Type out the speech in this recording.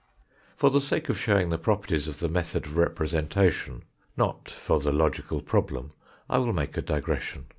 For the sake of showing the properties of the method of representation, not for the logical problem, I will make a digression.